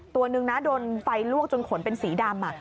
ตัวนึงนะโดนไฟลวกจนขนเป็นสีดำ